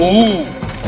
tidak tinggalkan aku